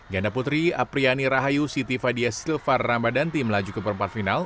ganda putri apriyani rahayu siti fadiyah silvar rambadanti melaju ke perempat final